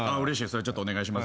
それちょっとお願いします。